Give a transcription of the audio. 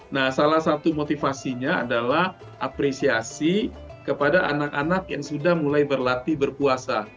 nah salah satu motivasinya adalah apresiasi kepada anak anak yang sudah mulai berlatih berpuasa